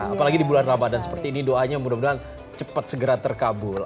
apalagi di bulan ramadan seperti ini doanya mudah mudahan cepat segera terkabul